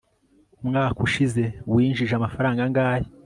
umwaka ushize winjije amafaranga angahe